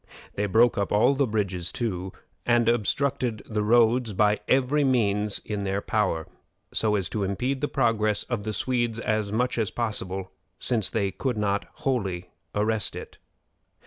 They broke up all the bridges too, and obstructed the roads by every means in their power, so as to impede the progress of the Swedes as much as possible, since they could not wholly arrest it.